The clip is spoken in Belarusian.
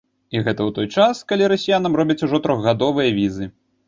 І гэта ў той час, калі расіянам робяць ужо трохгадовыя візы!